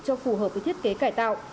cho phù hợp với thiết kế cải tạo